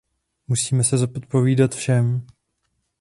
Musíme se zodpovídat všem.